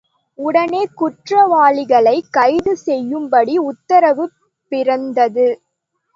உடனே குற்றவாளிகளைக் கைது செய்யும்படி உத்தரவு பிறந்தது.